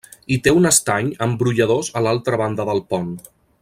Hi té un estany amb brolladors a l'altra banda del pont.